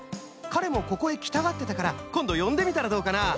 かれもここへきたがってたからこんどよんでみたらどうかな？